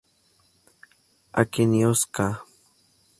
Aquenios ca.